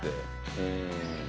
うん。